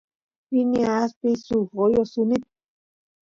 rini aspiy suk oyot suni